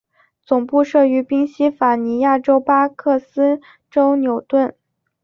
总部设于宾西法尼亚州巴克斯县纽顿。